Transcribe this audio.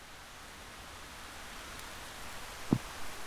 ইহুদীরা ছিল প্রচুর স্বর্ণ-রৌপ্যের মালিক।